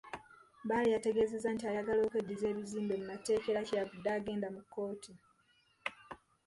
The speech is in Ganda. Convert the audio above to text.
Bbaale yategeezezza nti ayagala okweddizza ebizimbe mu mateeka era kye yavudde agenda mu kkooti.